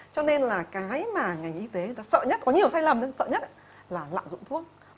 cho nên là cái mà ngành y tế sợ nhất có nhiều sai lầm nhưng sợ nhất là lạm dụng thuốc